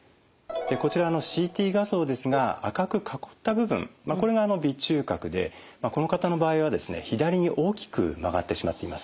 こちらＣＴ画像ですが赤く囲った部分これが鼻中隔でこの方の場合は左に大きく曲がってしまっています。